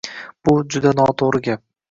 Bu – juda noto‘g‘ri gap.